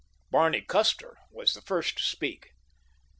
Barney Custer was the first to speak.